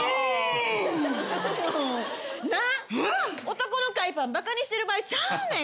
男の海パンバカにしてる場合ちゃうねん。